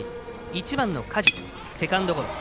１番の梶、セカンドゴロ。